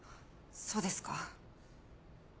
そうですか。